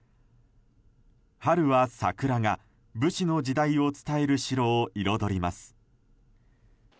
春は桜が武士の時代を伝える城を彩ります。